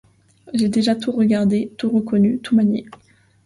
J’ai déjà tout regardé, tout reconnu, tout manié.